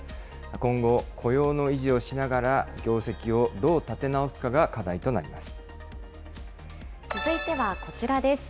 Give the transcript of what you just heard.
今後、雇用の維持をしながら、業績をどう立て直すかが課題となり続いてはこちらです。